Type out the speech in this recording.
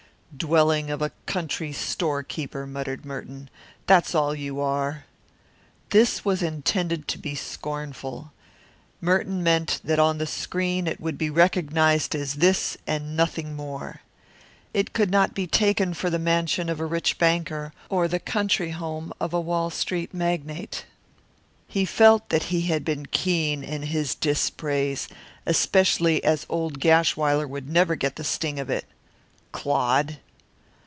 "Dwelling of a country storekeeper!" muttered Merton. "That's all you are!" This was intended to be scornful. Merton meant that on the screen it would be recognized as this and nothing more. It could not be taken for the mansion of a rich banker, or the country home of a Wall Street magnate. He felt that he had been keen in his dispraise, especially as old Gashwiler would never get the sting of it. Clod!